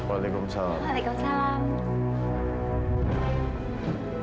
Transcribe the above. oke dia dia dia